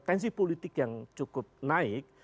tensi politik yang cukup naik